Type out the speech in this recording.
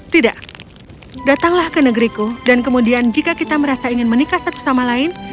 tidak datanglah ke negeriku dan kemudian jika kita merasa ingin menikah satu sama lain